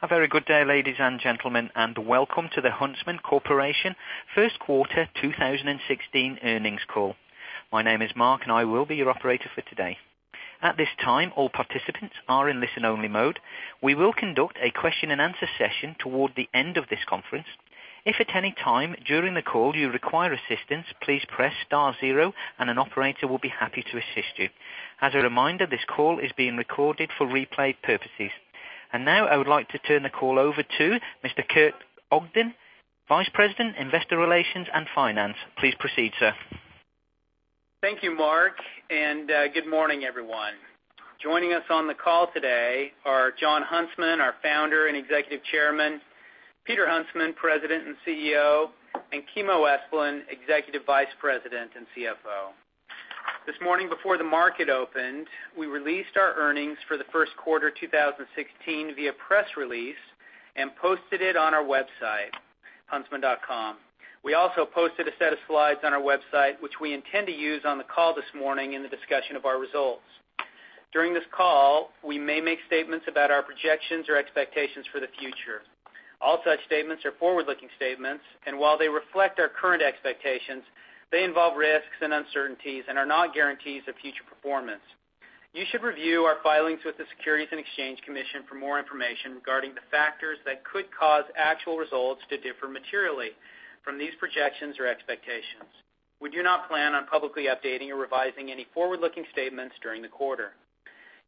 Have a very good day, ladies and gentlemen, welcome to the Huntsman Corporation first quarter 2016 earnings call. My name is Mark, I will be your operator for today. At this time, all participants are in listen-only mode. We will conduct a question-and-answer session toward the end of this conference. If at any time during the call you require assistance, please press star zero, an operator will be happy to assist you. As a reminder, this call is being recorded for replay purposes. Now I would like to turn the call over to Mr. Kurt Ogden, Vice President, Investor Relations and Finance. Please proceed, sir. Thank you, Mark, good morning, everyone. Joining us on the call today are Jon Huntsman, our Founder and Executive Chairman, Peter Huntsman, President and CEO, and Kimo Esplin, Executive Vice President and CFO. This morning before the market opened, we released our earnings for the first quarter 2016 via press release and posted it on our website, huntsman.com. We also posted a set of slides on our website, which we intend to use on the call this morning in the discussion of our results. During this call, we may make statements about our projections or expectations for the future. All such statements are forward-looking statements, while they reflect our current expectations, they involve risks and uncertainties and are not guarantees of future performance. You should review our filings with the Securities and Exchange Commission for more information regarding the factors that could cause actual results to differ materially from these projections or expectations. We do not plan on publicly updating or revising any forward-looking statements during the quarter.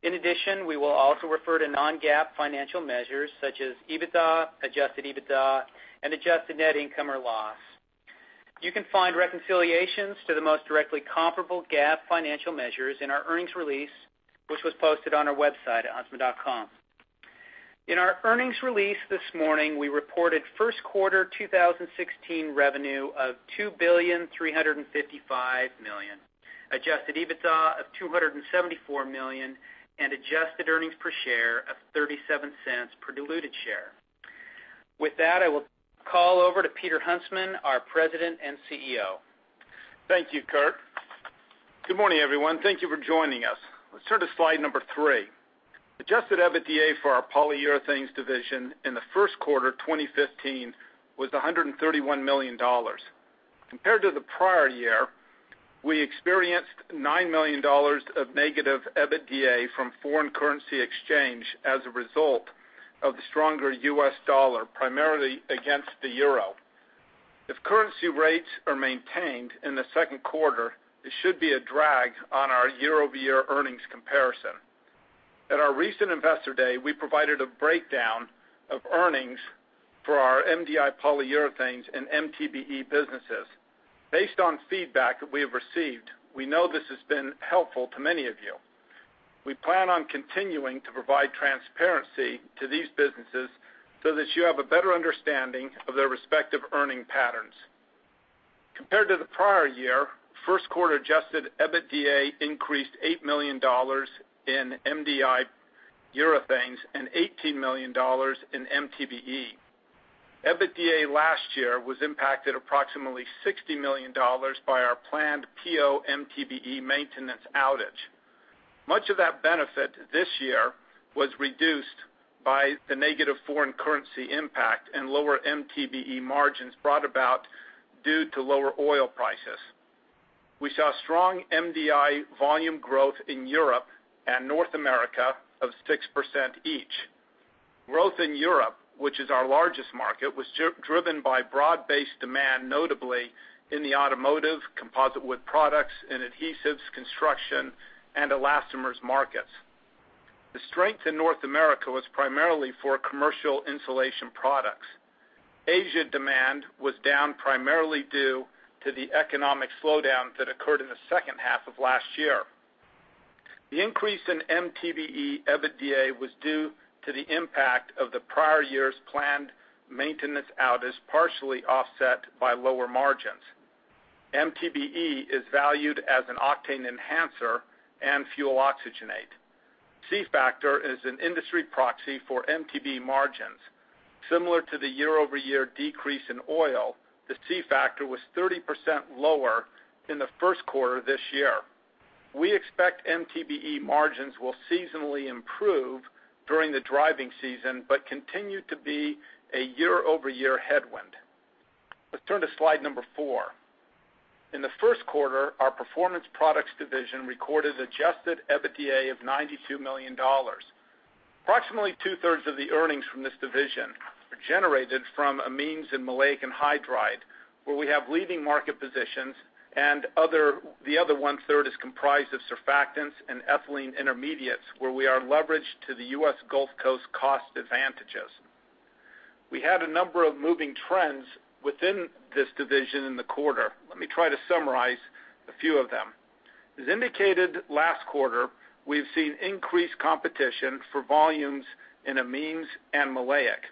In addition, we will also refer to non-GAAP financial measures such as EBITDA, adjusted EBITDA, and adjusted net income or loss. You can find reconciliations to the most directly comparable GAAP financial measures in our earnings release, which was posted on our website at huntsman.com. In our earnings release this morning, we reported first quarter 2016 revenue of $2,355 million, adjusted EBITDA of $274 million, and adjusted earnings per share of $0.37 per diluted share. With that, I will call over to Peter Huntsman, our President and CEO. Thank you, Kurt. Good morning, everyone. Let's turn to slide number three. Adjusted EBITDA for our Polyurethanes division in the first quarter 2015 was $131 million. Compared to the prior year, we experienced $9 million of negative EBITDA from foreign currency exchange as a result of the stronger U.S. dollar, primarily against the euro. If currency rates are maintained in the second quarter, this should be a drag on our year-over-year earnings comparison. At our recent Investor Day, we provided a breakdown of earnings for our MDI Polyurethanes and MTBE businesses. Based on feedback that we have received, we know this has been helpful to many of you. We plan on continuing to provide transparency to these businesses so that you have a better understanding of their respective earning patterns. Compared to the prior year, first quarter adjusted EBITDA increased $8 million in MDI urethanes and $18 million in MTBE. EBITDA last year was impacted approximately $60 million by our planned PO/MTBE maintenance outage. Much of that benefit this year was reduced by the negative foreign currency impact and lower MTBE margins brought about due to lower oil prices. We saw strong MDI volume growth in Europe and North America of 6% each. Growth in Europe, which is our largest market, was driven by broad-based demand, notably in the automotive, composite wood products, and adhesives, construction, and elastomers markets. The strength in North America was primarily for commercial insulation products. Asia demand was down primarily due to the economic slowdown that occurred in the second half of last year. The increase in MTBE EBITDA was due to the impact of the prior year's planned maintenance outage, partially offset by lower margins. MTBE is valued as an octane enhancer and fuel oxygenate. C-factor is an industry proxy for MTBE margins. Similar to the year-over-year decrease in oil, the C-factor was 30% lower in the first quarter this year. We expect MTBE margins will seasonally improve during the driving season but continue to be a year-over-year headwind. Let's turn to slide number four. In the first quarter, our Performance Products division recorded adjusted EBITDA of $92 million. Approximately two-thirds of the earnings from this division are generated from amines and maleic anhydride, where we have leading market positions, and the other one-third is comprised of surfactants and ethylene intermediates, where we are leveraged to the U.S. Gulf Coast cost advantages. We had a number of moving trends within this division in the quarter. Let me try to summarize a few of them. As indicated last quarter, we've seen increased competition for volumes in amines and maleic.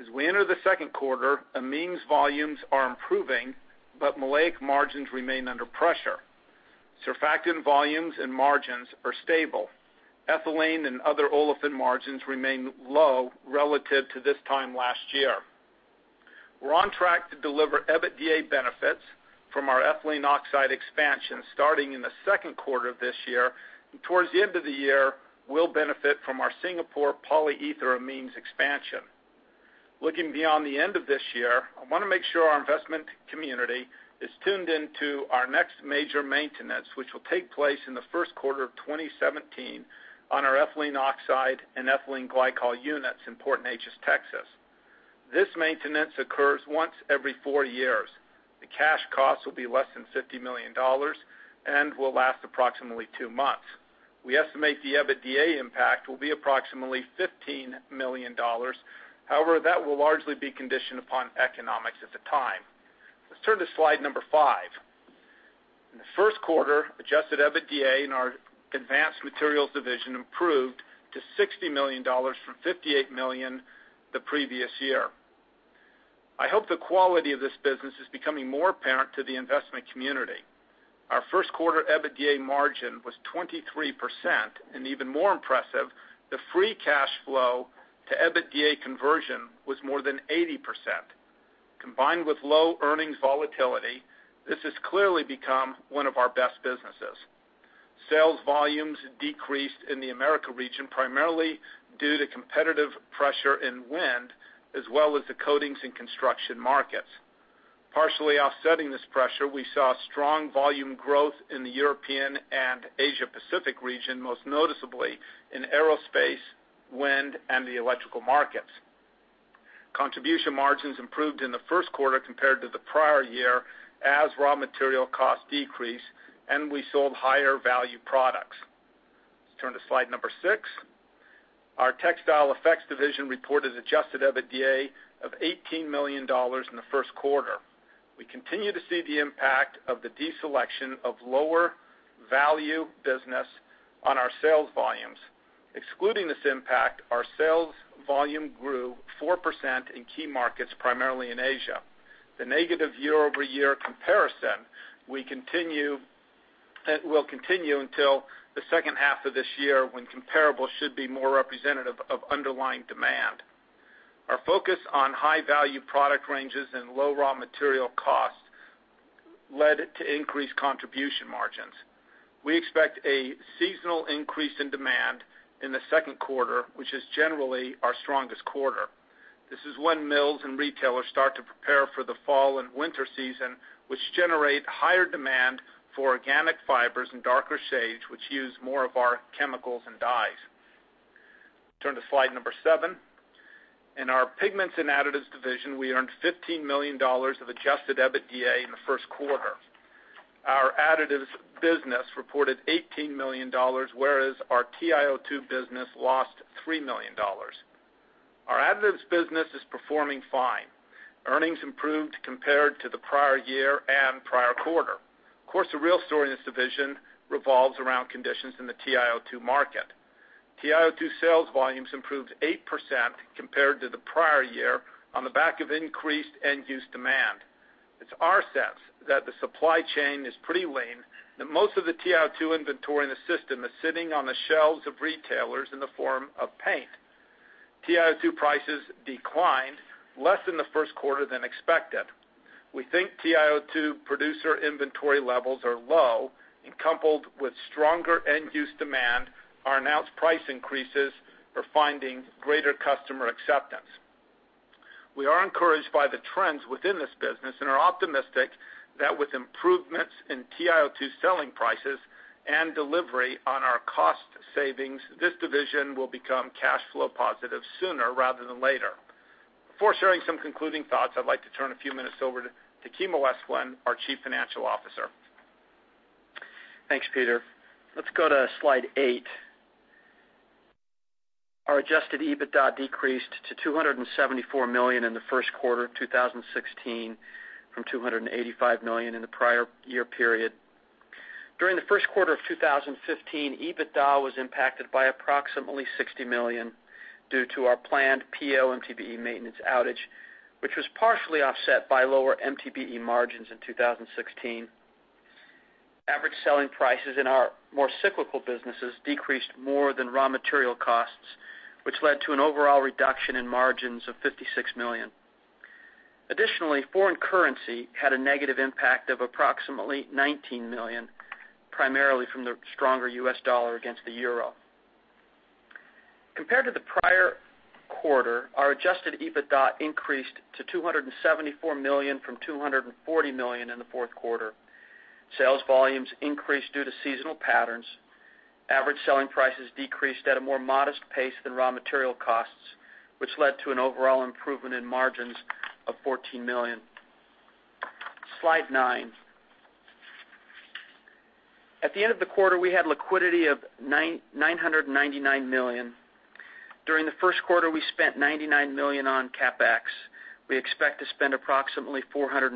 As we enter the second quarter, amines volumes are improving, but maleic margins remain under pressure. Surfactant volumes and margins are stable. Ethylene and other olefin margins remain low relative to this time last year. We're on track to deliver EBITDA benefits from our ethylene oxide expansion starting in the second quarter of this year. Towards the end of the year, we'll benefit from our Singapore polyetheramines expansion. Looking beyond the end of this year, I want to make sure our investment community is tuned into our next major maintenance, which will take place in the first quarter of 2017 on our ethylene oxide and ethylene glycol units in Port Neches, Texas. This maintenance occurs once every four years. The cash costs will be less than $50 million and will last approximately two months. We estimate the EBITDA impact will be approximately $15 million. However, that will largely be conditioned upon economics at the time. Let's turn to slide number five. In the first quarter, adjusted EBITDA in our Advanced Materials division improved to $60 million from $58 million the previous year. I hope the quality of this business is becoming more apparent to the investment community. Our first quarter EBITDA margin was 23%, and even more impressive, the free cash flow to EBITDA conversion was more than 80%. Combined with low earnings volatility, this has clearly become one of our best businesses. Sales volumes decreased in the America region, primarily due to competitive pressure in wind, as well as the coatings and construction markets. Partially offsetting this pressure, we saw strong volume growth in the European and Asia Pacific region, most noticeably in aerospace, wind, and the electrical markets. Contribution margins improved in the first quarter compared to the prior year as raw material costs decreased, and we sold higher value products. Let's turn to slide six. Our Textile Effects division reported adjusted EBITDA of $18 million in the first quarter. We continue to see the impact of the deselection of lower value business on our sales volumes. Excluding this impact, our sales volume grew 4% in key markets, primarily in Asia. The negative year-over-year comparison will continue until the second half of this year, when comparable should be more representative of underlying demand. Our focus on high value product ranges and low raw material costs led to increased contribution margins. We expect a seasonal increase in demand in the second quarter, which is generally our strongest quarter. This is when mills and retailers start to prepare for the fall and winter season, which generate higher demand for organic fibers and darker shades, which use more of our chemicals and dyes. Turn to slide seven. In our Pigments and Additives division, we earned $15 million of adjusted EBITDA in the first quarter. Our additives business reported $18 million, whereas our TiO2 business lost $3 million. Our additives business is performing fine. Earnings improved compared to the prior year and prior quarter. Of course, the real story in this division revolves around conditions in the TiO2 market. TiO2 sales volumes improved 8% compared to the prior year on the back of increased end-use demand. It's our sense that the supply chain is pretty lean, that most of the TiO2 inventory in the system is sitting on the shelves of retailers in the form of paint. TiO2 prices declined less in the first quarter than expected. We think TiO2 producer inventory levels are low, and coupled with stronger end-use demand, our announced price increases are finding greater customer acceptance. We are encouraged by the trends within this business and are optimistic that with improvements in TiO2 selling prices and delivery on our cost savings, this division will become cash flow positive sooner rather than later. Before sharing some concluding thoughts, I'd like to turn a few minutes over to Kimo Esplin, our Chief Financial Officer. Thanks, Peter. Let's go to slide eight. Our adjusted EBITDA decreased to $274 million in the first quarter of 2016 from $285 million in the prior year period. During the first quarter of 2015, EBITDA was impacted by approximately $60 million due to our planned PO/MTBE maintenance outage, which was partially offset by lower MTBE margins in 2016. Average selling prices in our more cyclical businesses decreased more than raw material costs, which led to an overall reduction in margins of $56 million. Additionally, foreign currency had a negative impact of approximately $19 million, primarily from the stronger U.S. dollar against the euro. Compared to the prior quarter, our adjusted EBITDA increased to $274 million from $240 million in the fourth quarter. Sales volumes increased due to seasonal patterns. Average selling prices decreased at a more modest pace than raw material costs, which led to an overall improvement in margins of $14 million. Slide nine. At the end of the quarter, we had liquidity of $999 million. During the first quarter, we spent $99 million on CapEx. We expect to spend approximately $450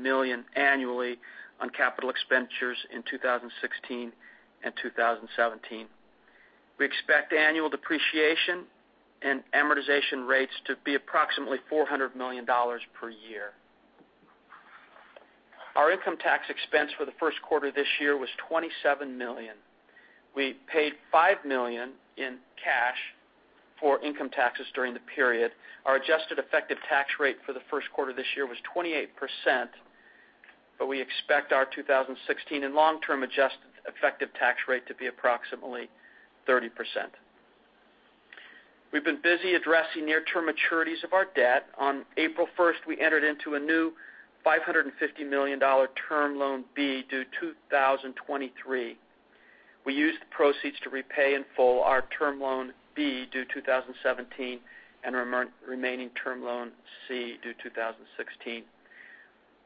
million annually on capital expenditures in 2016 and 2017. We expect annual depreciation and amortization rates to be approximately $400 million per year. Our income tax expense for the first quarter this year was $27 million. We paid $5 million in cash for income taxes during the period. Our adjusted effective tax rate for the first quarter this year was 28%, we expect our 2016 and long-term adjusted effective tax rate to be approximately 30%. We've been busy addressing near-term maturities of our debt. On April 1st, we entered into a new $550 million term loan B, due 2023. We used the proceeds to repay in full our term loan B, due 2017, and our remaining term loan C, due 2016.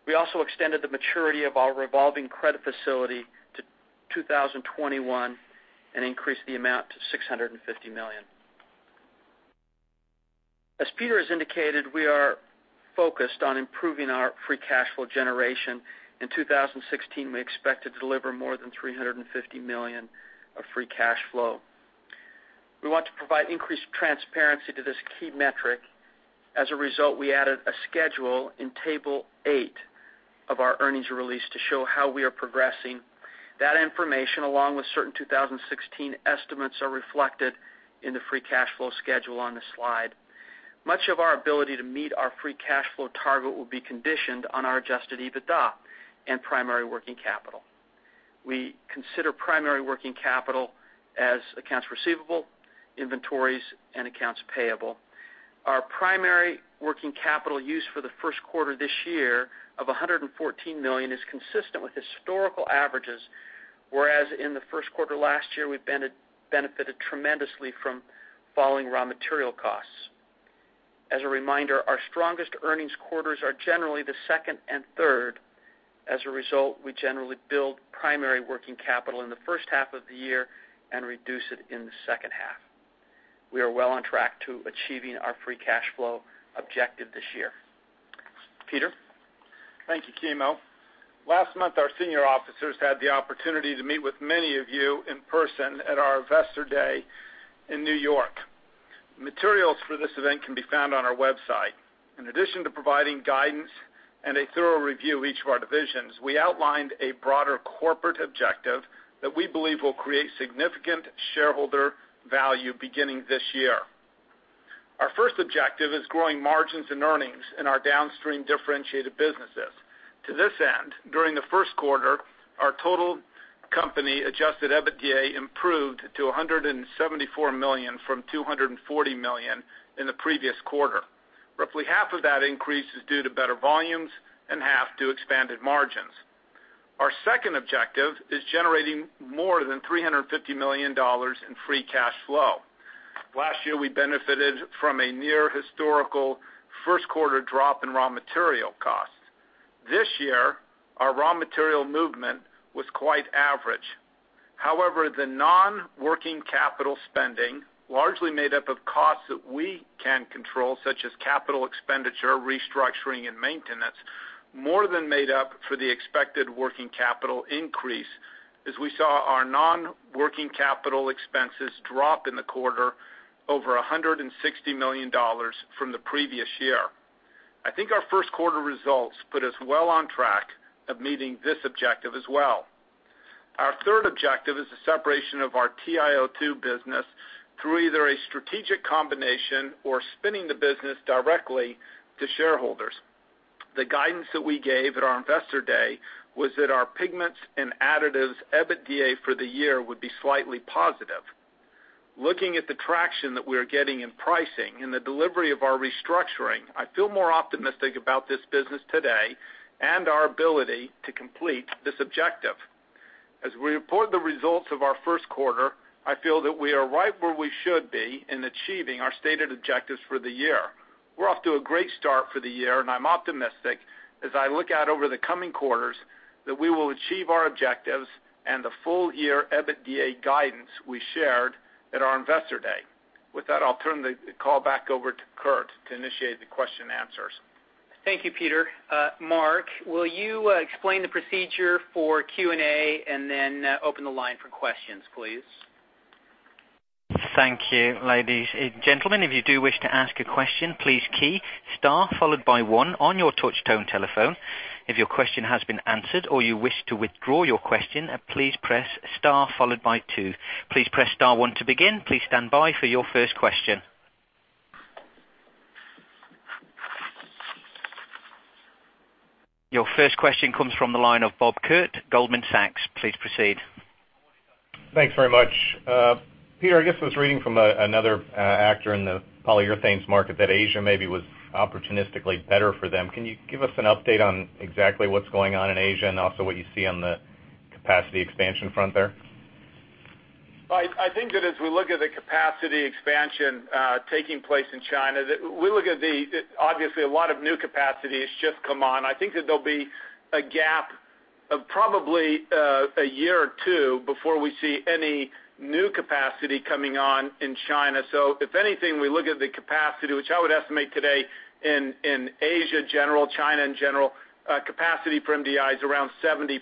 We also extended the maturity of our revolving credit facility to 2021 and increased the amount to $650 million. As Peter has indicated, we are focused on improving our free cash flow generation. In 2016, we expect to deliver more than $350 million of free cash flow. We want to provide increased transparency to this key metric. As a result, we added a schedule in Table eight of our earnings release to show how we are progressing. That information, along with certain 2016 estimates, are reflected in the free cash flow schedule on this slide. Much of our ability to meet our free cash flow target will be conditioned on our adjusted EBITDA and primary working capital. We consider primary working capital as accounts receivable, inventories, and accounts payable. Our primary working capital use for the first quarter this year of $114 million is consistent with historical averages, whereas in the first quarter last year, we benefited tremendously from falling raw material costs. As a reminder, our strongest earnings quarters are generally the second and third. As a result, we generally build primary working capital in the first half of the year and reduce it in the second half. We are well on track to achieving our free cash flow objective this year. Peter? Thank you, Kimo. Last month, our senior officers had the opportunity to meet with many of you in person at our Investor Day in New York. Materials for this event can be found on our website. In addition to providing guidance and a thorough review of each of our divisions, we outlined a broader corporate objective that we believe will create significant shareholder value beginning this year. Our first objective is growing margins and earnings in our downstream differentiated businesses. To this end, during the first quarter, our total company adjusted EBITDA improved to $174 million from $240 million in the previous quarter. Roughly half of that increase is due to better volumes and half to expanded margins. Our second objective is generating more than $350 million in free cash flow. Last year, we benefited from a near historical first quarter drop in raw material costs. This year, our raw material movement was quite average. The non-working capital spending, largely made up of costs that we can control, such as capital expenditure, restructuring, and maintenance, more than made up for the expected working capital increase, as we saw our non-working capital expenses drop in the quarter over $160 million from the previous year. I think our first quarter results put us well on track of meeting this objective as well. Our third objective is the separation of our TiO2 business through either a strategic combination or spinning the business directly to shareholders. The guidance that we gave at our Investor Day was that our Pigments and Additives EBITDA for the year would be slightly positive. Looking at the traction that we are getting in pricing and the delivery of our restructuring, I feel more optimistic about this business today and our ability to complete this objective. As we report the results of our first quarter, I feel that we are right where we should be in achieving our stated objectives for the year. We're off to a great start for the year, and I'm optimistic as I look out over the coming quarters that we will achieve our objectives and the full-year EBITDA guidance we shared at our Investor Day. With that, I'll turn the call back over to Kurt to initiate the question and answers. Thank you, Peter. Mark, will you explain the procedure for Q&A and then open the line for questions, please? Thank you, ladies and gentlemen. If you do wish to ask a question, please key star followed by one on your touch tone telephone. If your question has been answered or you wish to withdraw your question, please press star followed by two. Please press star one to begin. Please stand by for your first question. Your first question comes from the line of Bob Koort, Goldman Sachs. Please proceed. Thanks very much. Peter, I guess I was reading from another actor in the Polyurethanes market that Asia maybe was opportunistically better for them. Can you give us an update on exactly what's going on in Asia and also what you see on the capacity expansion front there? I think that as we look at the capacity expansion taking place in China, obviously, a lot of new capacity has just come on. I think that there'll be a gap of probably a year or two before we see any new capacity coming on in China. If anything, we look at the capacity, which I would estimate today in Asia general, China in general, capacity for MDI is around 70%.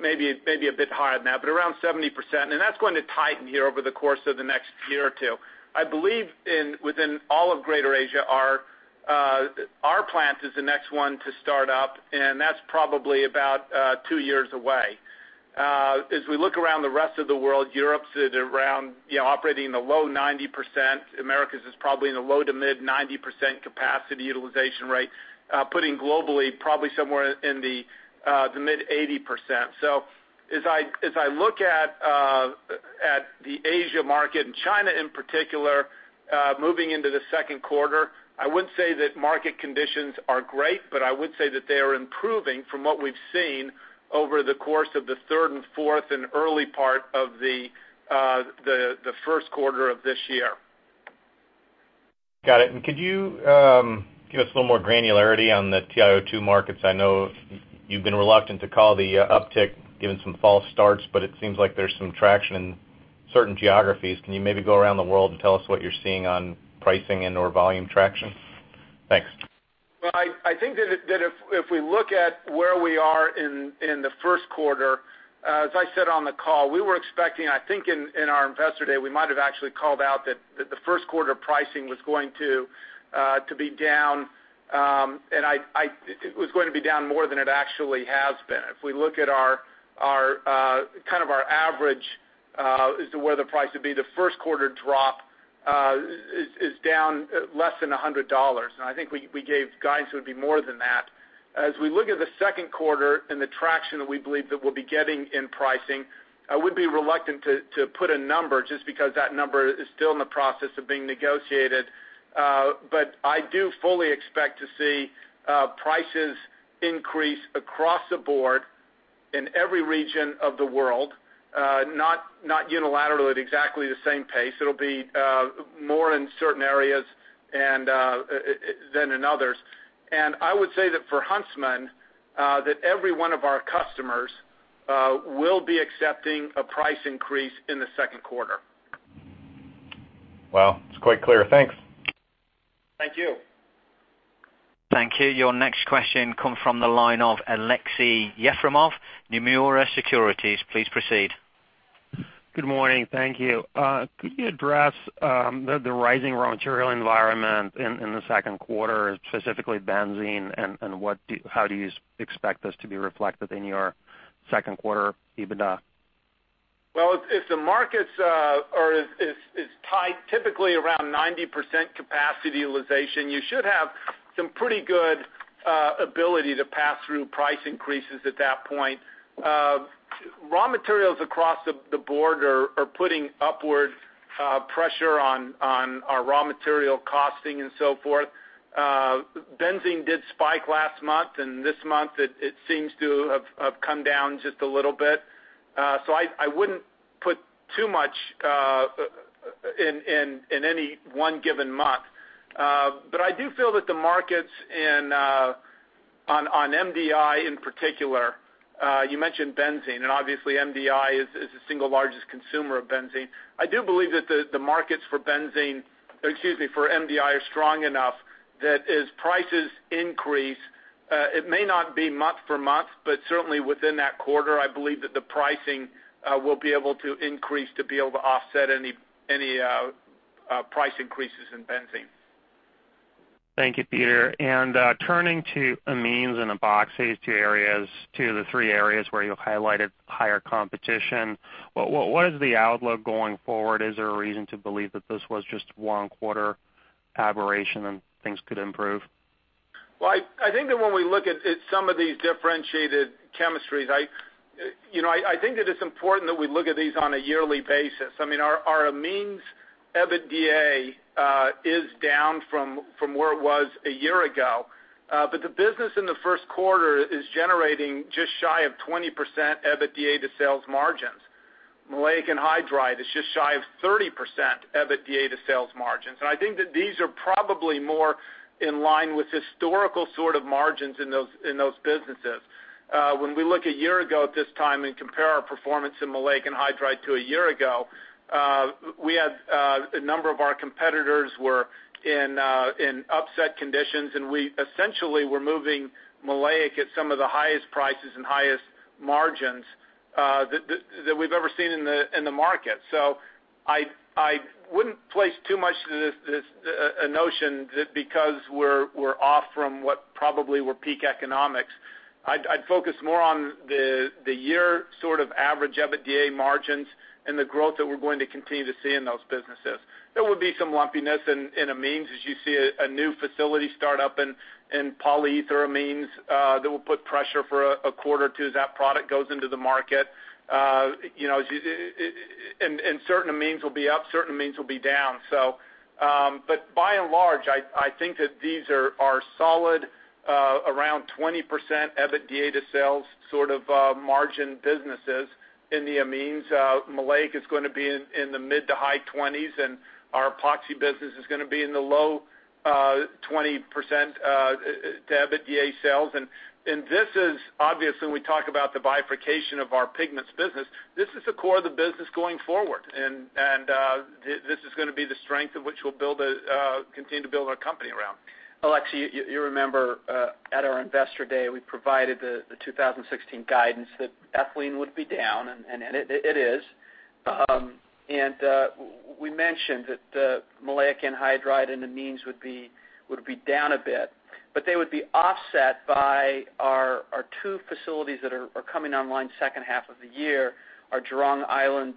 Maybe a bit higher than that, but around 70%. That's going to tighten here over the course of the next year or two. I believe within all of Greater Asia, our plant is the next one to start up, and that's probably about two years away. As we look around the rest of the world, Europe's at around operating in the low 90%. Americas is probably in the low to mid 90% capacity utilization rate, putting globally probably somewhere in the mid 80%. As I look at the Asia market and China in particular moving into the second quarter, I wouldn't say that market conditions are great, but I would say that they are improving from what we've seen over the course of the third and fourth and early part of the first quarter of this year. Got it. Could you give us a little more granularity on the TiO2 markets? I know you've been reluctant to call the uptick given some false starts, it seems like there's some traction in certain geographies. Can you maybe go around the world and tell us what you're seeing on pricing and or volume traction? Thanks. Well, I think that if we look at where we are in the first quarter, as I said on the call, we were expecting, I think in our investor day, we might have actually called out that the first quarter pricing was going to be down, and it was going to be down more than it actually has been. If we look at kind of our average as to where the price would be, the first quarter drop is down less than $100. I think we gave guidance would be more than that. As we look at the second quarter and the traction that we believe that we'll be getting in pricing, I would be reluctant to put a number just because that number is still in the process of being negotiated. I do fully expect to see prices increase across the board in every region of the world. Not unilaterally at exactly the same pace. It'll be more in certain areas than in others. I would say that for Huntsman, that every one of our customers will be accepting a price increase in the second quarter. Wow. It's quite clear. Thanks. Thank you. Thank you. Your next question comes from the line of Aleksey Yefremov, Nomura Securities. Please proceed. Good morning. Thank you. Could you address the rising raw material environment in the second quarter, specifically benzene, and how do you expect this to be reflected in your second quarter EBITDA? If the markets are tight, typically around 90% capacity utilization, you should have some pretty good ability to pass through price increases at that point. Raw materials across the board are putting upward pressure on our raw material costing and so forth. Benzene did spike last month, and this month it seems to have come down just a little bit. I wouldn't put too much in any one given month. I do feel that the markets on MDI in particular, you mentioned benzene, and obviously MDI is the single largest consumer of benzene. I do believe that the markets for benzene, excuse me, for MDI, are strong enough that as prices increase, it may not be month for month, but certainly within that quarter, I believe that the pricing will be able to increase to be able to offset any price increases in benzene. Thank you, Peter. Turning to amines and epoxies, two of the three areas where you highlighted higher competition, what is the outlook going forward? Is there a reason to believe that this was just one quarter aberration and things could improve? Well, I think that when we look at some of these differentiated chemistries, I think that it's important that we look at these on a yearly basis. I mean, our amines EBITDA is down from where it was a year ago. The business in the first quarter is generating just shy of 20% EBITDA to sales margins. Maleic anhydride is just shy of 30% EBITDA to sales margins. I think that these are probably more in line with historical sort of margins in those businesses. When we look a year ago at this time and compare our performance in maleic anhydride to a year ago, we had a number of our competitors were in upset conditions, and we essentially were moving maleic at some of the highest prices and highest margins that we've ever seen in the market. I wouldn't place too much to this notion that because we're off from what probably were peak economics. I'd focus more on the year sort of average EBITDA margins and the growth that we're going to continue to see in those businesses. There will be some lumpiness in amines as you see a new facility start up in polyetheramines that will put pressure for a quarter or two as that product goes into the market. Certain amines will be up, certain amines will be down. By and large, I think that these are solid around 20% EBITDA to sales sort of margin businesses in the amines. Maleic is going to be in the mid to high 20s, and our epoxy business is going to be in the low 20% to EBITDA sales. This is obviously, when we talk about the bifurcation of our pigments business, this is the core of the business going forward. This is going to be the strength of which we'll continue to build our company around. Aleksey, you remember at our investor day, we provided the 2016 guidance that ethylene would be down, and it is. We mentioned that maleic anhydride and amines would be down a bit. They would be offset by our two facilities that are coming online second half of the year, our Jurong Island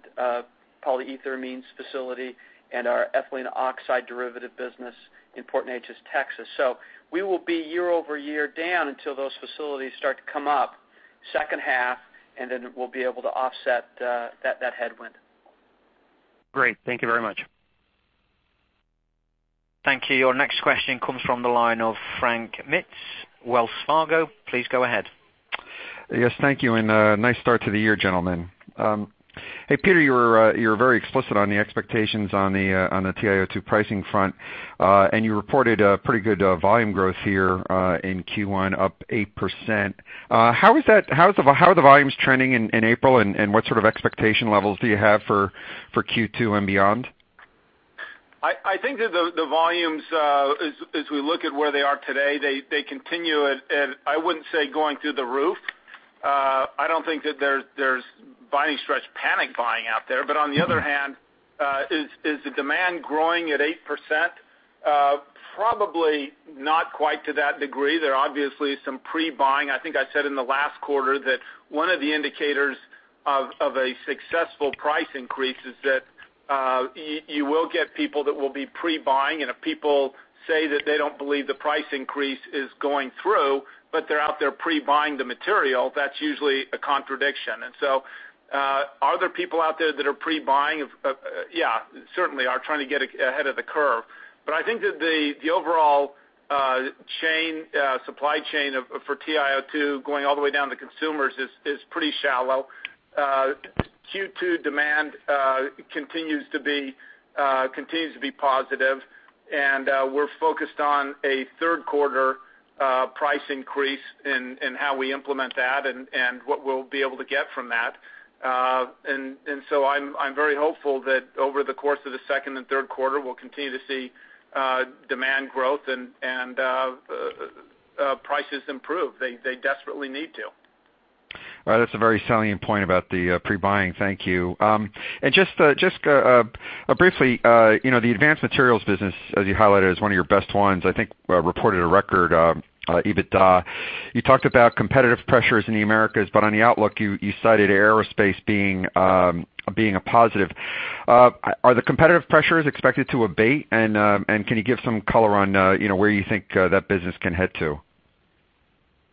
polyetheramines facility, and our ethylene oxide derivative business in Port Neches, Texas. We will be year-over-year down until those facilities start to come up second half, and then we'll be able to offset that headwind. Great. Thank you very much. Thank you. Your next question comes from the line of Frank Mitsch, Wells Fargo. Please go ahead. Yes, thank you, nice start to the year, gentlemen. Hey, Peter, you were very explicit on the expectations on the TiO2 pricing front. You reported a pretty good volume growth here in Q1, up 8%. How are the volumes trending in April, and what sort of expectation levels do you have for Q2 and beyond? I think that the volumes, as we look at where they are today, they continue, I wouldn't say going through the roof. I don't think that there's, by any stretch, panic buying out there. On the other hand, is the demand growing at 8%? Probably not quite to that degree. There obviously is some pre-buying. I think I said in the last quarter that one of the indicators of a successful price increase is that you will get people that will be pre-buying. If people say that they don't believe the price increase is going through, but they're out there pre-buying the material, that's usually a contradiction. Are there people out there that are pre-buying? Yeah. Certainly are trying to get ahead of the curve. I think that the overall supply chain for TiO2 going all the way down to consumers is pretty shallow. Q2 demand continues to be positive, and we're focused on a third quarter price increase and how we implement that and what we'll be able to get from that. I'm very hopeful that over the course of the second and third quarter, we'll continue to see demand growth and prices improve. They desperately need to. All right. That's a very salient point about the pre-buying. Thank you. Just briefly, the Advanced Materials business, as you highlighted, is one of your best ones, I think reported a record EBITDA. You talked about competitive pressures in the Americas, on the outlook, you cited aerospace being a positive. Are the competitive pressures expected to abate? Can you give some color on where you think that business can head to?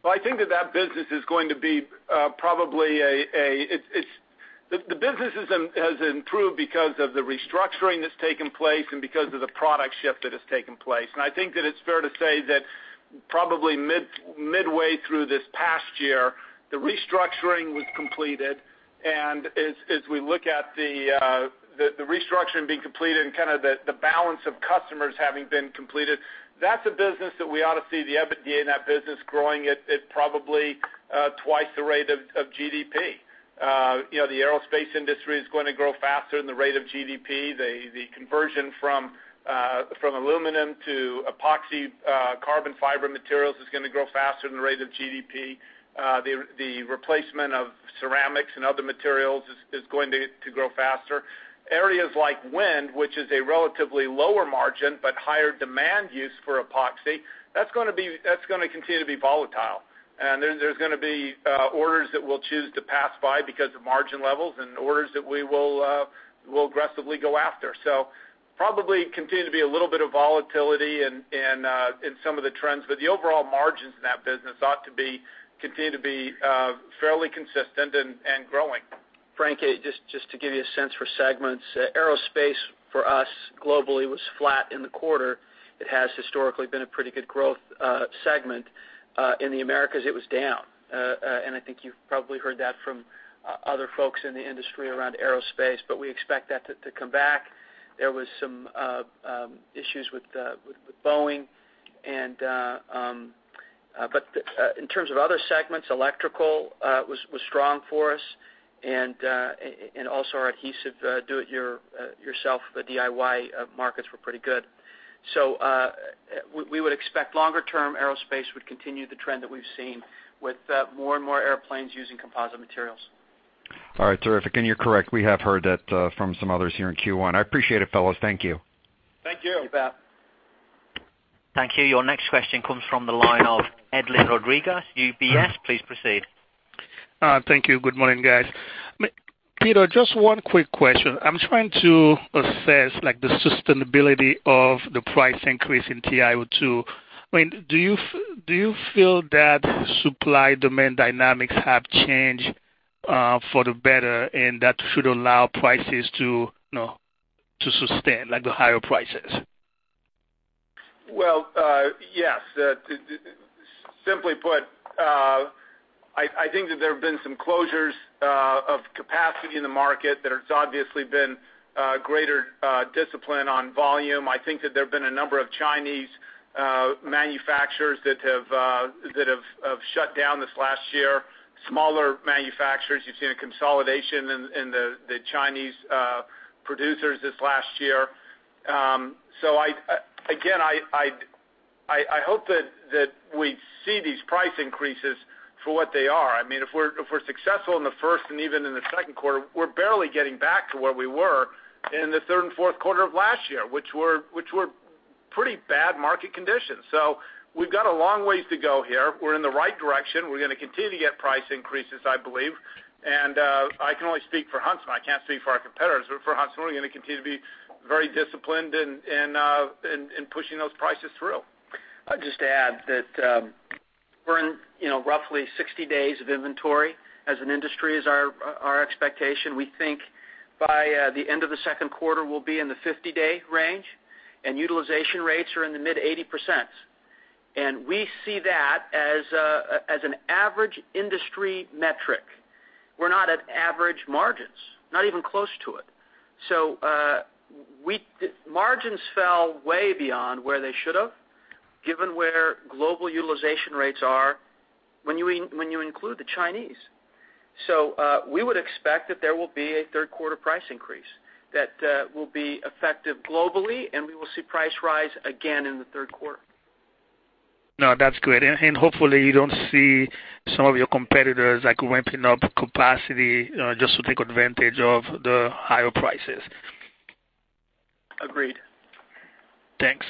Well, I think that that business has improved because of the restructuring that's taken place and because of the product shift that has taken place. I think that it's fair to say that probably midway through this past year, the restructuring was completed. As we look at the restructuring being completed and kind of the balance of customers having been completed, that's a business that we ought to see the EBITDA in that business growing at probably twice the rate of GDP. The aerospace industry is going to grow faster than the rate of GDP. The conversion from aluminum to epoxy carbon fiber materials is going to grow faster than the rate of GDP. The replacement of ceramics and other materials is going to grow faster. Areas like wind, which is a relatively lower margin but higher demand use for epoxy, that's going to continue to be volatile. There's going to be orders that we'll choose to pass by because of margin levels and orders that we'll aggressively go after. Probably continue to be a little bit of volatility in some of the trends. The overall margins in that business ought to continue to be fairly consistent and growing. Frank, just to give you a sense for segments. Aerospace for us globally was flat in the quarter. It has historically been a pretty good growth segment. In the Americas, it was down. I think you've probably heard that from other folks in the industry around aerospace, but we expect that to come back. There was some issues with Boeing. In terms of other segments, electrical was strong for us, and also our adhesive do-it-yourself, the DIY markets were pretty good. We would expect longer term, aerospace would continue the trend that we've seen with more and more airplanes using composite materials. All right. Terrific. You're correct. We have heard that from some others here in Q1. I appreciate it, fellas. Thank you. Thank you. You bet. Thank you. Your next question comes from the line of Edlain Rodriguez, UBS. Please proceed. Thank you. Good morning, guys. Peter, just one quick question. I'm trying to assess the sustainability of the price increase in TiO2. Do you feel that supply-demand dynamics have changed for the better and that should allow prices to sustain, like the higher prices? Well yes. Simply put, I think that there have been some closures of capacity in the market. There's obviously been greater discipline on volume. I think that there have been a number of Chinese manufacturers that have shut down this last year. Smaller manufacturers, you've seen a consolidation in the Chinese Producers this last year. Again, I hope that we see these price increases for what they are. If we're successful in the first and even in the second quarter, we're barely getting back to where we were in the third and fourth quarter of last year, which were pretty bad market conditions. We've got a long ways to go here. We're in the right direction. We're going to continue to get price increases, I believe. I can only speak for Huntsman, I can't speak for our competitors. For Huntsman, we're going to continue to be very disciplined in pushing those prices through. I'd just add that we're in roughly 60 days of inventory as an industry, is our expectation. We think by the end of the second quarter, we'll be in the 50-day range, and utilization rates are in the mid-80%. We see that as an average industry metric. We're not at average margins, not even close to it. Margins fell way beyond where they should have, given where global utilization rates are when you include the Chinese. We would expect that there will be a third quarter price increase that will be effective globally, and we will see price rise again in the third quarter. No, that's great. Hopefully you don't see some of your competitors ramping up capacity just to take advantage of the higher prices. Agreed. Thanks.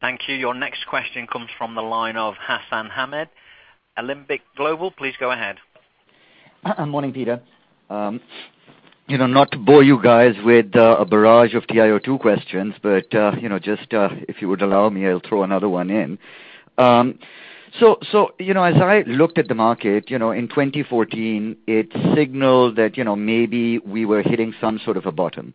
Thank you. Your next question comes from the line of Hassan Ahmed. Alembic Global, please go ahead. Morning, Peter. Not to bore you guys with a barrage of TiO2 questions, just if you would allow me, I'll throw another one in. As I looked at the market in 2014, it signaled that maybe we were hitting some sort of a bottom.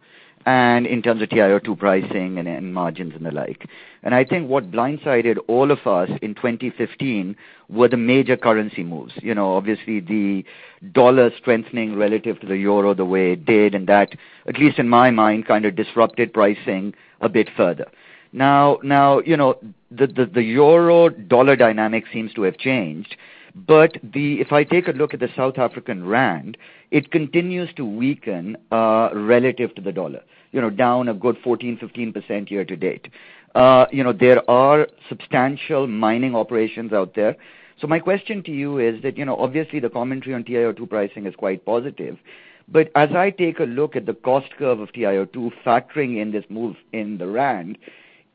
In terms of TiO2 pricing and margins and the like. I think what blindsided all of us in 2015 were the major currency moves. Obviously, the dollar strengthening relative to the euro the way it did, and that, at least in my mind, kind of disrupted pricing a bit further. The euro-dollar dynamic seems to have changed. If I take a look at the South African rand, it continues to weaken relative to the dollar, down a good 14%-15% year to date. There are substantial mining operations out there. My question to you is that, obviously the commentary on TiO2 pricing is quite positive, as I take a look at the cost curve of TiO2 factoring in this move in the rand,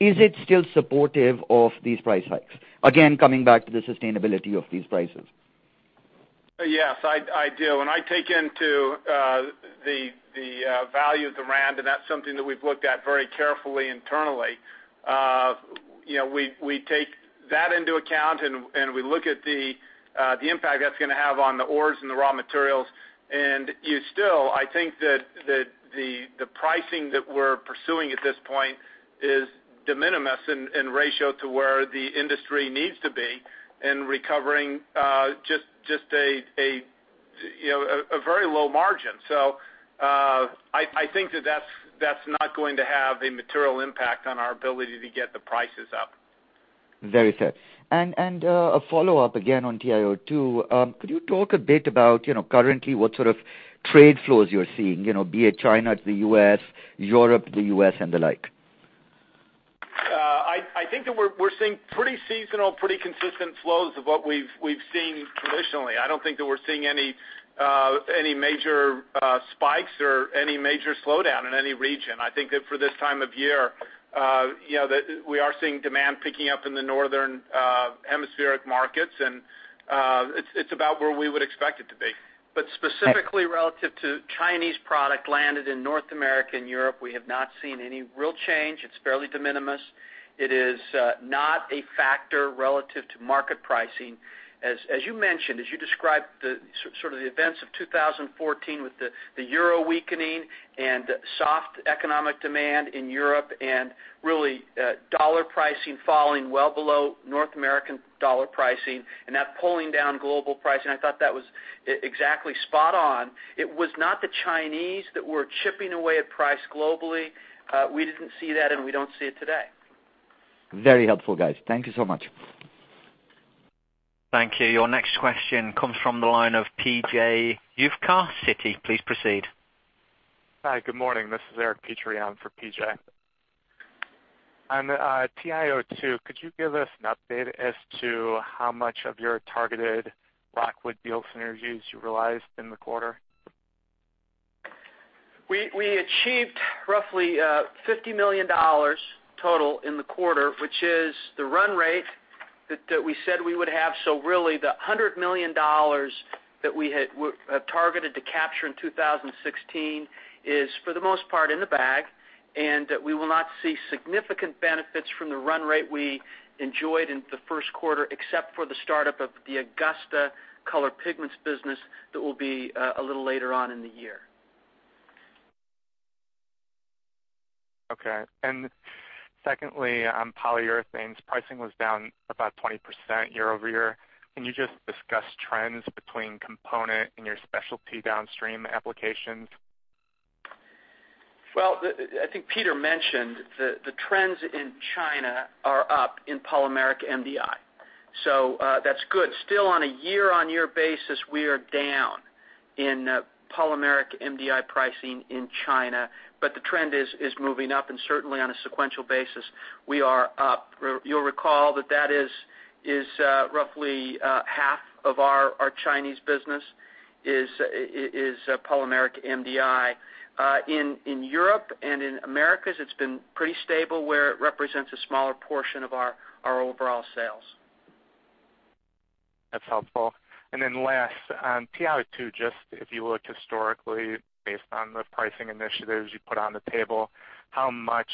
is it still supportive of these price hikes? Again, coming back to the sustainability of these prices. Yes, I do. I take into the value of the rand, and that's something that we've looked at very carefully internally. We take that into account, and we look at the impact that's going to have on the ores and the raw materials. You still, I think that the pricing that we're pursuing at this point is de minimis in ratio to where the industry needs to be in recovering just a very low margin. I think that that's not going to have a material impact on our ability to get the prices up. Very fair. A follow-up again on TiO2. Could you talk a bit about currently what sort of trade flows you're seeing, be it China to the U.S., Europe to the U.S., and the like? I think that we're seeing pretty seasonal, pretty consistent flows of what we've seen traditionally. I don't think that we're seeing any major spikes or any major slowdown in any region. I think that for this time of year, we are seeing demand picking up in the northern hemispheric markets, and it's about where we would expect it to be. Specifically relative to Chinese product landed in North America and Europe, we have not seen any real change. It's fairly de minimis. It is not a factor relative to market pricing. As you mentioned, as you described sort of the events of 2014 with the euro weakening and soft economic demand in Europe and really dollar pricing falling well below North American dollar pricing and that pulling down global pricing, I thought that was exactly spot on. It was not the Chinese that were chipping away at price globally. We didn't see that, and we don't see it today. Very helpful, guys. Thank you so much. Thank you. Your next question comes from the line of P.J. Juvekar, Citi. Please proceed. Hi, good morning. This is Eric Petrie for P.J. On TiO2, could you give us an update as to how much of your targeted Rockwood deal synergies you realized in the quarter? We achieved roughly $50 million total in the quarter, which is the run rate that we said we would have. Really the $100 million that we had targeted to capture in 2016 is for the most part in the bag, and we will not see significant benefits from the run rate we enjoyed in the first quarter except for the startup of the Augusta Color Pigments business that will be a little later on in the year. Okay. Secondly, on Polyurethanes, pricing was down about 20% year-over-year. Can you just discuss trends between component and your specialty downstream applications? Well, I think Peter mentioned the trends in China are up in polymeric MDI, that's good. Still on a year-on-year basis, we are down in polymeric MDI pricing in China, the trend is moving up certainly on a sequential basis, we are up. You'll recall that that is roughly half of our Chinese business is polymeric MDI. In Europe and in Americas, it's been pretty stable where it represents a smaller portion of our overall sales. That's helpful. Last, on TiO2, just if you looked historically based on the pricing initiatives you put on the table, how much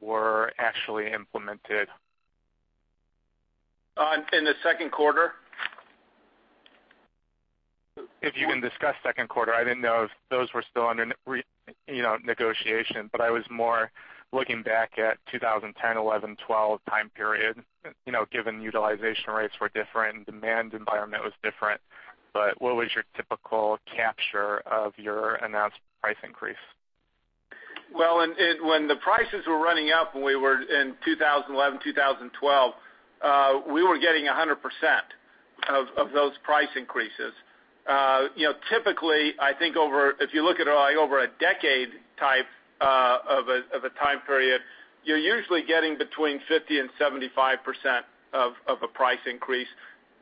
were actually implemented? In the second quarter? If you can discuss second quarter, I didn't know if those were still under negotiation, but I was more looking back at 2010, 2011, 2012 time period, given utilization rates were different, demand environment was different. What was your typical capture of your announced price increase? When the prices were running up, when we were in 2011, 2012, we were getting 100% of those price increases. Typically, I think if you look at over a decade type of a time period, you're usually getting between 50%-75% of a price increase,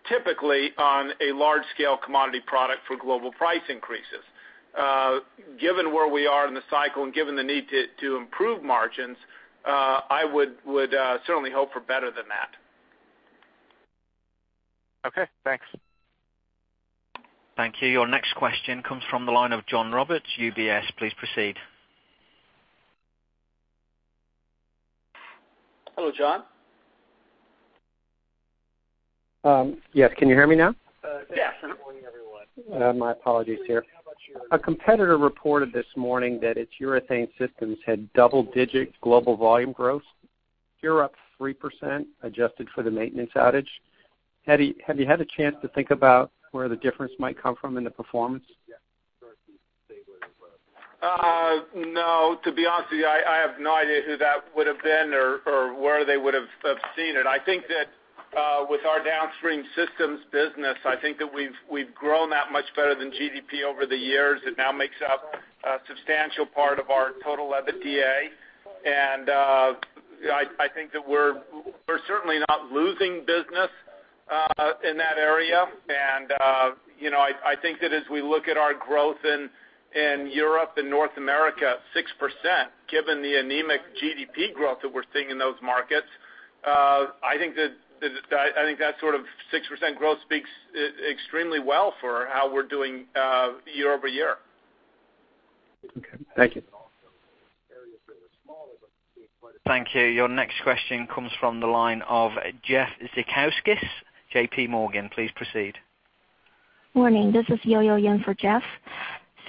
typically on a large scale commodity product for global price increases. Given where we are in the cycle and given the need to improve margins, I would certainly hope for better than that. Okay, thanks. Thank you. Your next question comes from the line of John Roberts, UBS. Please proceed. Hello, John. Yes, can you hear me now? Yes. Good morning, everyone. My apologies there. A competitor reported this morning that its urethane systems had double-digit global volume growth. You're up 3% adjusted for the maintenance outage. Have you had a chance to think about where the difference might come from in the performance? No. To be honest with you, I have no idea who that would've been or where they would've seen it. I think that with our downstream systems business, I think that we've grown that much better than GDP over the years. It now makes up a substantial part of our total EBITDA. I think that we're certainly not losing business in that area. I think that as we look at our growth in Europe and North America, 6%, given the anemic GDP growth that we're seeing in those markets, I think that sort of 6% growth speaks extremely well for how we're doing year-over-year. Okay. Thank you. Thank you. Your next question comes from the line of Jeff Zekauskas, J.P. Morgan. Please proceed. Morning. This is Yong Ouyang for Jeff.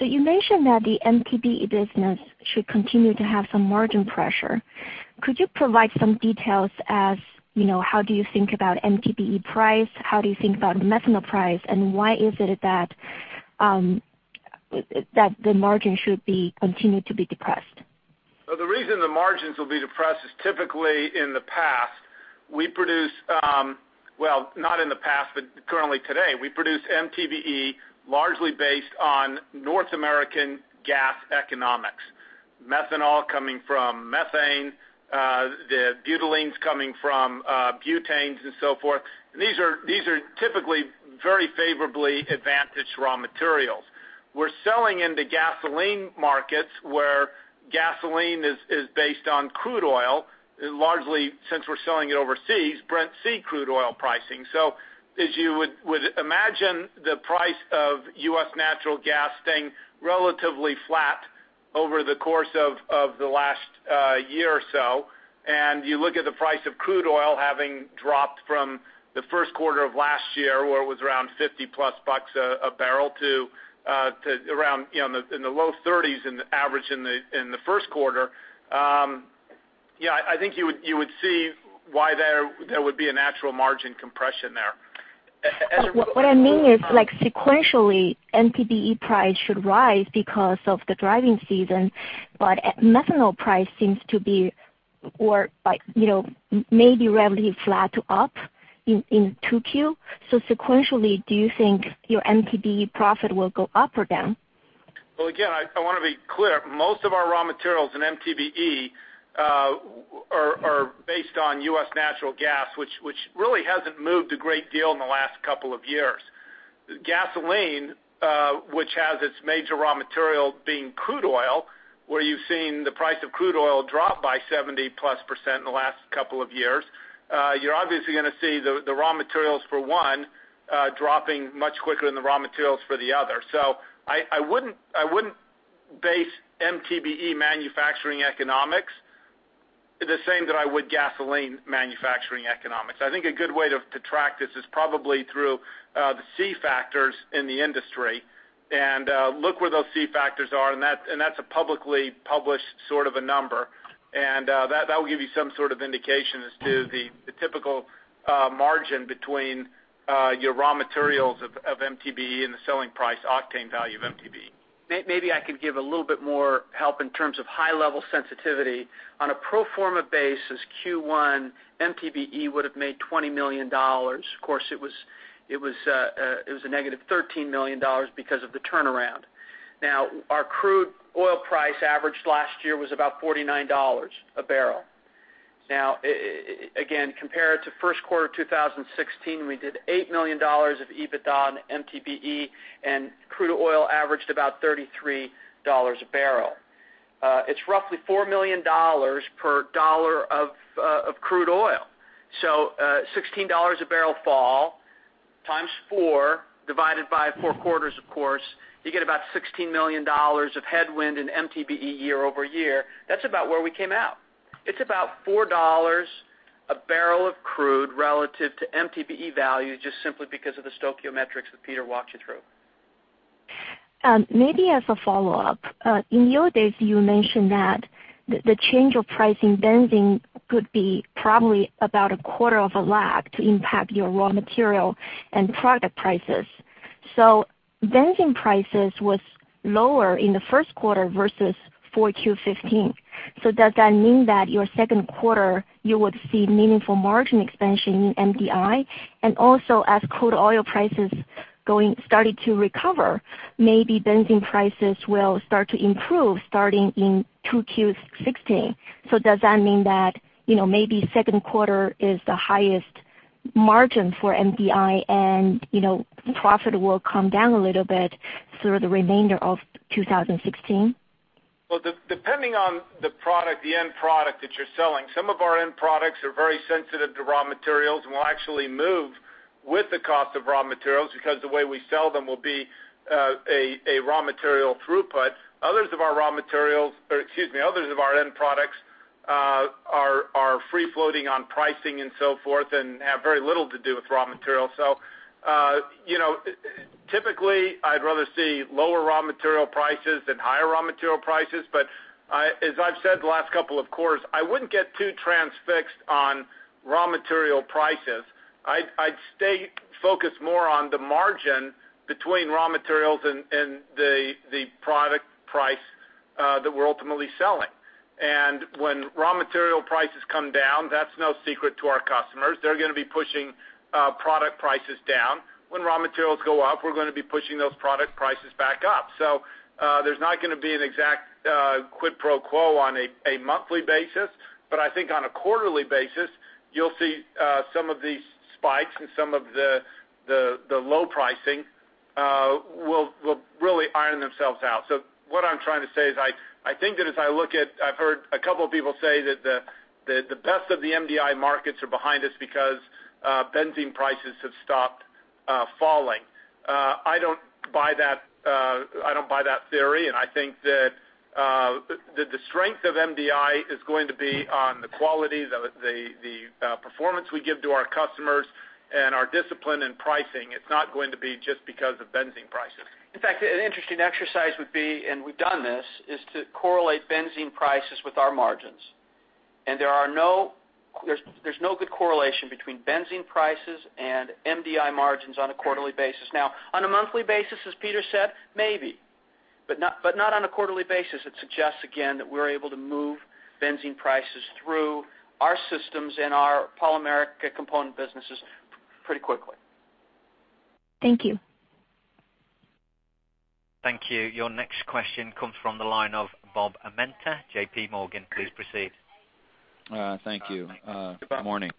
You mentioned that the MTBE business should continue to have some margin pressure. Could you provide some details as how do you think about MTBE price? How do you think about methanol price? Why is it that the margin should be continued to be depressed? The reason the margins will be depressed is typically in the past, we produced, well, not in the past, but currently today, we produce MTBE largely based on North American gas economics. Methanol coming from methane, the butylenes coming from butanes and so forth. These are typically very favorably advantaged raw materials. We're selling into gasoline markets where gasoline is based on crude oil, largely since we're selling it overseas, Brent crude oil pricing. As you would imagine, the price of U.S. natural gas staying relatively flat over the course of the last year or so, and you look at the price of crude oil having dropped from the first quarter of last year, where it was around $50 plus a barrel, to around in the low $30s average in the first quarter. I think you would see why there would be a natural margin compression there. What I mean is sequentially, MTBE price should rise because of the driving season, methanol price seems to be maybe relatively flat to up in 2Q. Sequentially, do you think your MTBE profit will go up or down? Well, again, I want to be clear. Most of our raw materials in MTBE are based on U.S. natural gas, which really hasn't moved a great deal in the last couple of years. Gasoline, which has its major raw material being crude oil, where you've seen the price of crude oil drop by 70% plus in the last couple of years. You're obviously going to see the raw materials for one dropping much quicker than the raw materials for the other. I wouldn't base MTBE manufacturing economics the same that I would gasoline manufacturing economics. I think a good way to track this is probably through the C-factors in the industry and look where those C-factors are, that's a publicly published sort of a number. That will give you some sort of indication as to the typical margin between your raw materials of MTBE and the selling price octane value of MTBE. I could give a little bit more help in terms of high level sensitivity. On a pro forma basis, Q1 MTBE would've made $20 million. Of course, it was a negative $13 million because of the turnaround. Our crude oil price averaged last year was about $49 a barrel. Again, compared to first quarter 2016, we did $8 million of EBITDA on MTBE, and crude oil averaged about $33 a barrel. It's roughly $4 million per dollar of crude oil. $16 a barrel fall times four, divided by four quarters, of course, you get about $16 million of headwind in MTBE year-over-year. That's about where we came out. It's about $4 a barrel of crude relative to MTBE value, just simply because of the stoichiometrics that Peter walked you through. Maybe as a follow-up. In your view, you mentioned that the change of price in benzene could be probably about a quarter of a lag to impact your raw material and product prices. benzene prices was lower in the first quarter versus 4Q 2015. Does that mean that your second quarter you would see meaningful margin expansion in MDI? Also as crude oil prices started to recover, maybe benzene prices will start to improve starting in 2Q 2016. Does that mean that maybe second quarter is the highest margin for MDI, and profit will come down a little bit through the remainder of 2016? Well, depending on the end product that you're selling, some of our end products are very sensitive to raw materials and will actually move with the cost of raw materials because the way we sell them will be a raw material throughput. Others of our end products are free floating on pricing and so forth and have very little to do with raw materials. Typically I'd rather see lower raw material prices than higher raw material prices. As I've said the last couple of quarters, I wouldn't get too transfixed on raw material prices. I'd stay focused more on the margin between raw materials and the product price that we're ultimately selling. When raw material prices come down, that's no secret to our customers. They're going to be pushing product prices down. When raw materials go up, we're going to be pushing those product prices back up. There's not going to be an exact quid pro quo on a monthly basis, but I think on a quarterly basis, you'll see some of these spikes and some of the low pricing will really iron themselves out. What I'm trying to say is I think that as I look at, I've heard a couple of people say that the best of the MDI markets are behind us because benzene prices have stopped falling. I don't buy that theory, I think that the strength of MDI is going to be on the quality, the performance we give to our customers, and our discipline in pricing. It's not going to be just because of benzene prices. In fact, an interesting exercise would be, and we've done this, is to correlate benzene prices with our margins. There's no good correlation between benzene prices and MDI margins on a quarterly basis. On a monthly basis, as Peter said, maybe. Not on a quarterly basis. It suggests again, that we're able to move benzene prices through our systems and our polymeric component businesses pretty quickly. Thank you. Thank you. Your next question comes from the line of Bob Amenta, J.P. Morgan. Please proceed. Thank you. Good morning.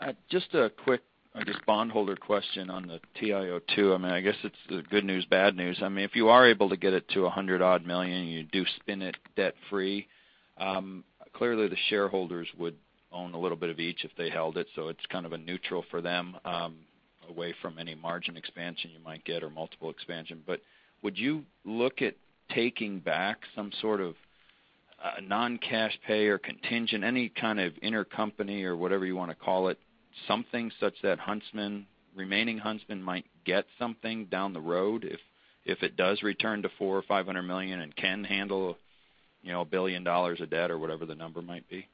A quick, I guess, bondholder question on the TiO2. I guess it's the good news, bad news. If you are able to get it to $100 million odd and you do spin it debt free, clearly the shareholders would own a little bit of each if they held it, so it's kind of a neutral for them away from any margin expansion you might get or multiple expansion. Would you look at taking back some sort of non-cash pay or contingent, any kind of intercompany or whatever you want to call it, something such that remaining Huntsman might get something down the road if it does return to $400 million or $500 million and can handle a $1 billion of debt or whatever the number might be?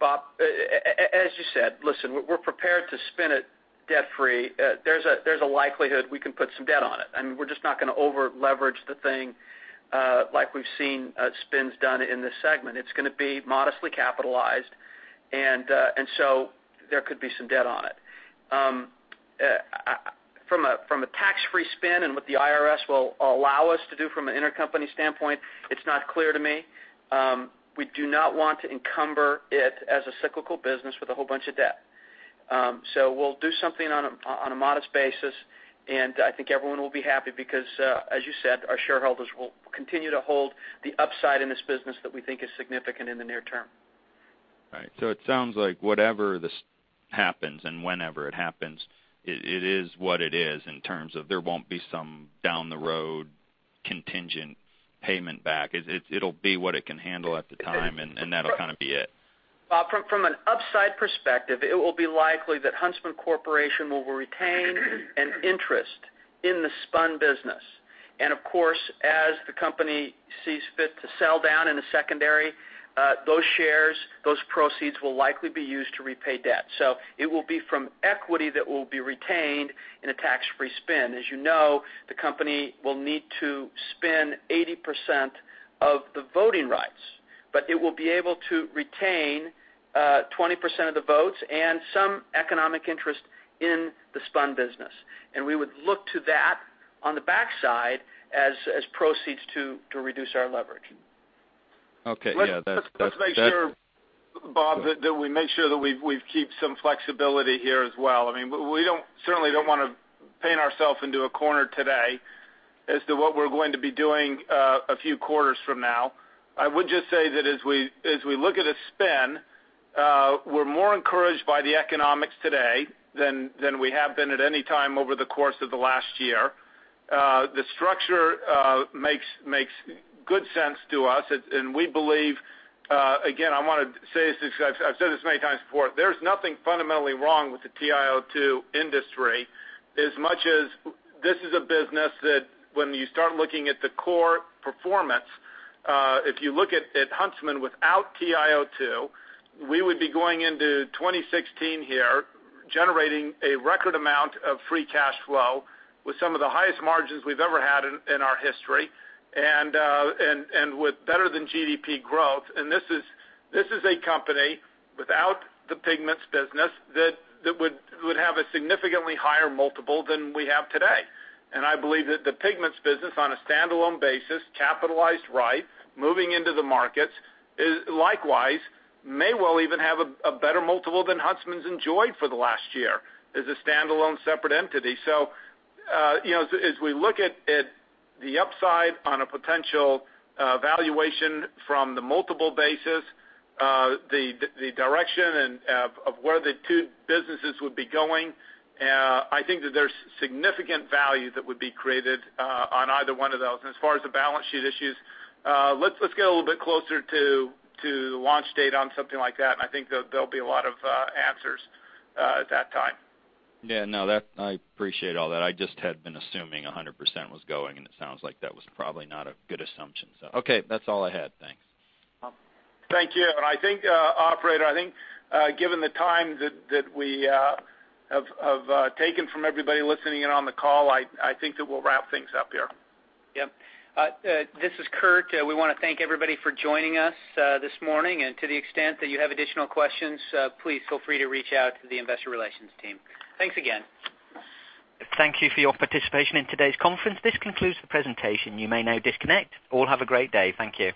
Bob, as you said, listen, we're prepared to spin it debt free. There's a likelihood we can put some debt on it. We're just not going to over leverage the thing like we've seen spins done in this segment. It's going to be modestly capitalized, and so there could be some debt on it. From a tax-free spin and what the IRS will allow us to do from an intercompany standpoint, it's not clear to me. We do not want to encumber it as a cyclical business with a whole bunch of debt. We'll do something on a modest basis, and I think everyone will be happy because as you said, our shareholders will continue to hold the upside in this business that we think is significant in the near term. Right. It sounds like whatever happens and whenever it happens, it is what it is in terms of there won't be some down the road contingent payment back. It'll be what it can handle at the time, and that'll kind of be it. Bob, from an upside perspective, it will be likely that Huntsman Corporation will retain an interest in the spun business. Of course, as the company sees fit to sell down in a secondary, those shares, those proceeds will likely be used to repay debt. It will be from equity that will be retained in a tax-free spin. As you know, the company will need to spin 80% of the voting rights, but it will be able to retain 20% of the votes and some economic interest in the spun business. We would look to that on the backside as proceeds to reduce our leverage. Okay. Let's make sure, Bob, that we make sure that we keep some flexibility here as well. We certainly don't want to paint ourselves into a corner today as to what we're going to be doing a few quarters from now. I would just say that as we look at a spin, we're more encouraged by the economics today than we have been at any time over the course of the last year. The structure makes good sense to us, we believe, again, I've said this many times before, there's nothing fundamentally wrong with the TiO2 industry as much as this is a business that when you start looking at the core performance, if you look at Huntsman without TiO2, we would be going into 2016 here, generating a record amount of free cash flow with some of the highest margins we've ever had in our history and with better than GDP growth. This is a company without the pigments business that would have a significantly higher multiple than we have today. I believe that the pigments business, on a standalone basis, capitalized right, moving into the markets, likewise, may well even have a better multiple than Huntsman's enjoyed for the last year as a standalone separate entity. As we look at the upside on a potential valuation from the multiple basis, the direction of where the two businesses would be going, I think that there's significant value that would be created on either one of those. As far as the balance sheet issues, let's get a little bit closer to the launch date on something like that, and I think there'll be a lot of answers at that time. Yeah, no. I appreciate all that. I just had been assuming 100% was going, it sounds like that was probably not a good assumption. Okay. That's all I had. Thanks. Thank you. Operator, I think given the time that we have taken from everybody listening in on the call, I think that we'll wrap things up here. Yep. This is Kurt. We want to thank everybody for joining us this morning. To the extent that you have additional questions, please feel free to reach out to the investor relations team. Thanks again. Thank you for your participation in today's conference. This concludes the presentation. You may now disconnect. All have a great day. Thank you.